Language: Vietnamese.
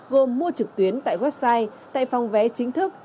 gồm mua trực tuyến tại website tại phòng vé chính thức